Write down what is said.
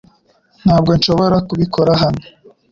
Ntabwo nshobora kubikora hano .